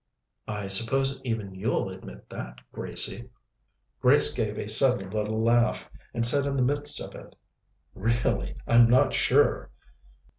"I suppose even you'll admit that, Gracie?" Grace gave a sudden little laugh, and said in the midst of it: "Really, I'm not sure."